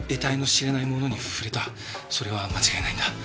それは間違いないんだ。